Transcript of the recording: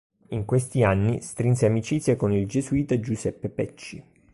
In questi anni strinse amicizia con il gesuita Giuseppe Pecci.